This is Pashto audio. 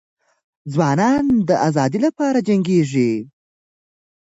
ځوانان د ازادۍ لپاره جنګیږي.